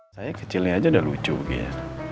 saya kecilnya aja udah lucu gitu ya